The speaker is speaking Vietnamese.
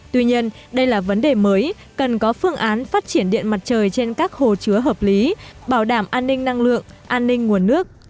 tuy nhiên đây là vấn đề mới cần có phương án phát triển điện mặt trời trên các hồ chứa hợp lý bảo đảm an ninh năng lượng an ninh nguồn nước